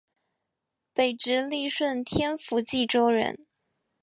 北直隶顺天府蓟州人。